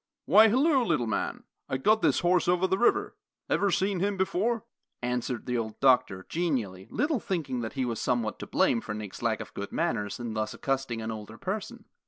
"Why, halloo, little man! I got this horse over the river. Ever see him before?" answered the old doctor, genially, little thinking that he was somewhat to blame for Nick's lack of good manners in thus accosting an older person.